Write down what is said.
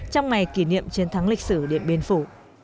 trong ngày kỷ niệm chiến thắng lịch sử điện biên phủ